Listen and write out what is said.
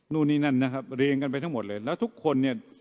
นู่นนี่นั่นนะครับเรียงกันไปทั้งหมดเลยแล้วทุกคนเนี่ย